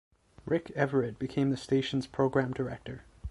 Rick Everett became the station's Program Director.